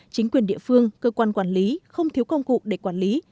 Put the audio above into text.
chính quyền địa phương cơ quan quản lý không thiếu công cụ để quản lý